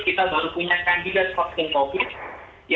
kita baru punya kandilas vaksin covid ya